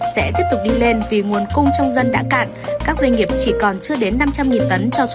sẽ tiếp tục đi lên vì nguồn cung trong dân đã cạn các doanh nghiệp chỉ còn chưa đến năm trăm linh tấn cho xuất